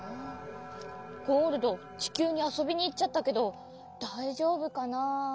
ゴールドちきゅうにあそびにいっちゃったけどだいじょうぶかな？